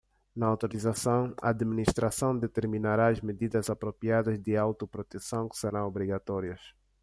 Na autorização, a Administração determinará as medidas apropriadas de autoproteção que serão obrigatórias.